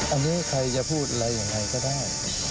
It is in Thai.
อันนี้ใครจะพูดอะไรยังไงก็ได้